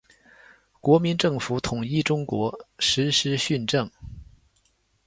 国民政府统一中国，实施训政。